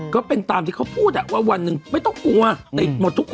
ก็เป็นตามที่เขาพูดว่าวันหนึ่งไม่ต้องกลัวติดหมดทุกคน